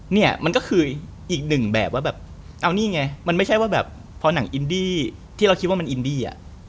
เนี่ยมันก็คืออีกหนึ่งแบบว่าแบบเอานี่ไงมันไม่ใช่ว่าแบบพอหนังอินดี้ที่เราคิดว่ามันอินดี้อ่ะ